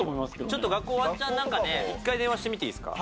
ちょっと学校、ワンチャン、なんかね、一回電話してみていいですか？